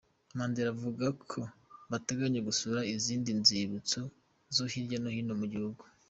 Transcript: Mandela avuga ko bateganya gusura n’izindi nzibutso zo hirya no hino mu gihugu.